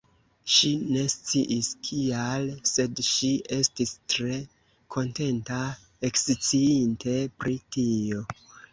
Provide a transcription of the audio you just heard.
Ŝi ne sciis kial, sed ŝi estis tre kontenta, eksciinte pri tio.